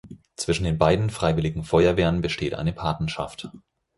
Zwischen den beiden Freiwilligen Feuerwehren besteht eine Patenschaft.